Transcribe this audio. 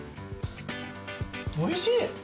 おいしい！